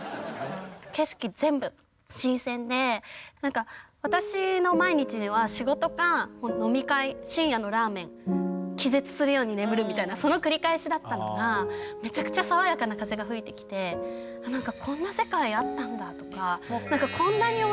景色全部新鮮でなんか私の毎日では仕事か飲み会深夜のラーメン気絶するように眠るみたいなその繰り返しだったのがめちゃくちゃ爽やかな風が吹いてきてやりました。